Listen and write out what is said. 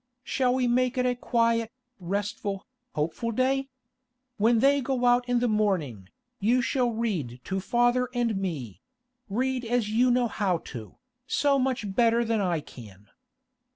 Shall we make it a quiet, restful, hopeful day? When they go out in the morning, you shall read to father and me—read as you know how to, so much better than I can.